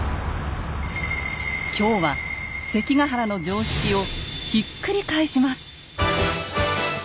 今日は関ヶ原の常識をひっくり返します。